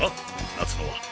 夏野は。